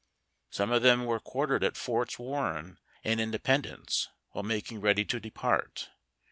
Some of them were quar tered at Forts Warren and Independence while making ready to depart.